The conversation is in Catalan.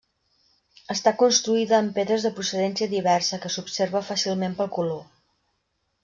Està construïda amb pedres de procedència diversa, que s'observa fàcilment pel color.